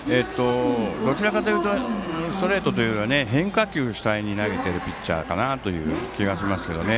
どちらかというとストレートより変化球主体に投げているピッチャーという気がします。